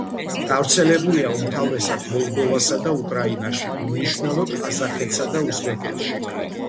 გავრცელებულია უმთავრესად მოლდოვასა და უკრაინაში, უმნიშვნელოდ ყაზახეთსა და უზბეკეთში.